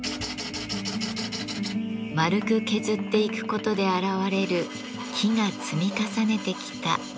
丸く削っていくことで現れる木が積み重ねてきた森の時。